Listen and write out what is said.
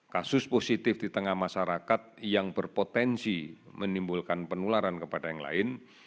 kasus positif di tengah masyarakat yang berpotensi menimbulkan penularan kepada yang lain